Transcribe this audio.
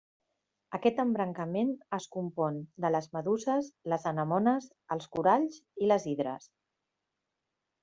Aquest embrancament es compon de les meduses, les anemones, els coralls i les hidres.